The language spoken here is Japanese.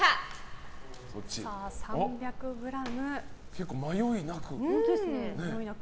結構迷いなく。